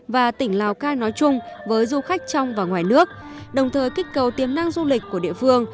và tỉnh lào cai nói chung với du khách trong và ngoài nước đồng thời kích cầu tiềm năng du lịch của địa phương